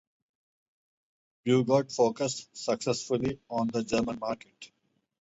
Peugeot focused, successfully, on the German market.